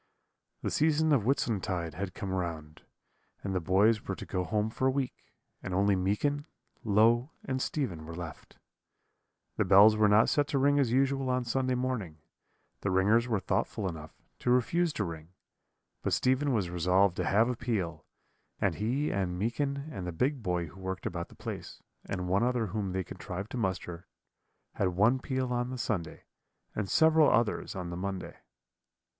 "The season of Whitsuntide had come round, and the boys were to go home for a week, and only Meekin, Low, and Stephen were left. The bells were not set to ring as usual on Sunday morning; the ringers were thoughtful enough to refuse to ring; but Stephen was resolved to have a peal, and he and Meekin and the big boy who worked about the place, and one other whom they contrived to muster, had one peal on the Sunday, and several others on the Monday.